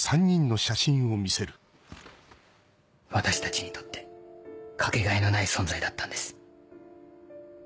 私たちにとってかけがえのない存在だったんです。